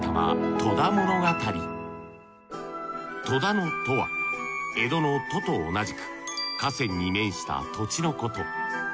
戸田の「戸」は江戸の「戸」と同じく河川に面した土地のこと。